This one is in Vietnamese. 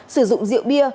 sử dụng rượu bia